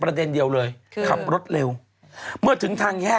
บริเวณนี้เป็นจุดทางร่วมที่ลดลงจากสะพาน